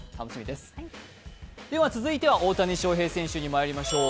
では続いては大谷翔平選手にまいりましょう。